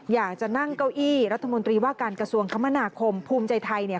อยากจะนั่งเก้าอี้รัฐมนตรีว่าการกระทรวงคมนาคมภูมิใจไทยเนี่ย